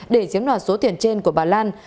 để giếm đoạt số tiền trên của bà lan